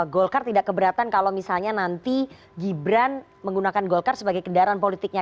golkar tidak keberatan kalau misalnya nanti gibran menggunakan golkar sebagai kendaraan politiknya